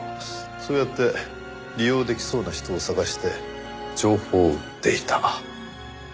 そうやって利用できそうな人を探して情報を売っていた。